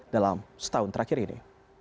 dalam setahun terakhir ini